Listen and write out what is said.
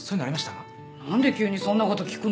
何で急にそんなこと聞くの。